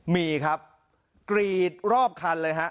มีครับกรีดรอบคันเลยฮะ